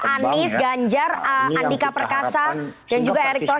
anies ganjar andika perkasa dan juga erick thohir